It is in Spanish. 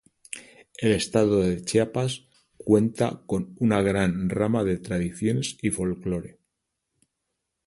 El Estado de Chiapas cuenta con una gran gama de tradiciones y folklore.